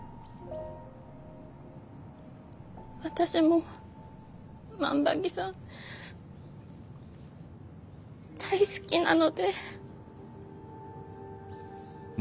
私も万場木さん大好きなので。